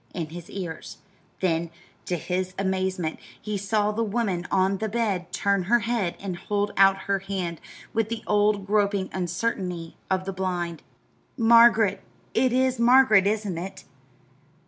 in his ears; then, to his amazement, he saw the woman on the bed turn her head and hold out her hand with the old groping uncertainty of the blind. "Margaret! It is Margaret, isn't it?"